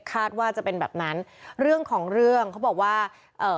คาดว่าจะเป็นแบบนั้นเรื่องของเรื่องเขาบอกว่าเอ่อ